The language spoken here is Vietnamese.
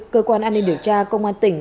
cơ quan an ninh điều tra công an tỉnh